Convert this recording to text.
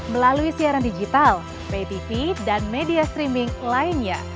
melalui siaran digital pay tv dan media streaming lainnya